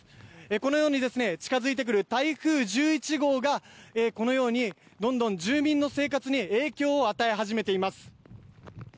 このように近付いてくる台風１１号がこのようにどんどん住民の生活に影響を与え始めています。